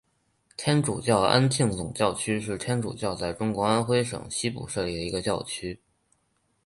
天主教安庆总教区是天主教在中国安徽省西部设立的一个教区。